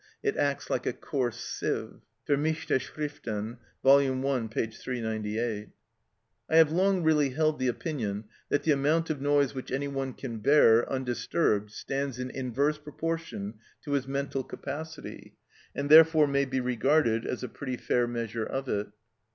it acts like a coarse sieve" (Vermischte Schriften, vol. i. p. 398). I have long really held the opinion that the amount of noise which any one can bear undisturbed stands in inverse proportion to his mental capacity, and therefore may be regarded as a pretty fair measure of it.